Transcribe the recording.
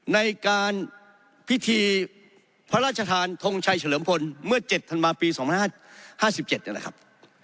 ในการพิธีพระราชทานทงชัยเฉลิมพลเมื่อ๗ธันวาปี๒๕๕๗นี่แหละครับ